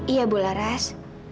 iya bu laras